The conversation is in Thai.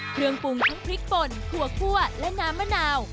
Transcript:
เครื่องปรุงทั้งพริกป่นถั่วคั่วและน้ำมะนาว